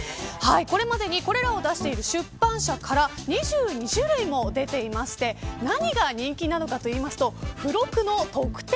これまでにこれらを出している出版社から２２種類も出ていて何が人気なのかと言いますと付録の特典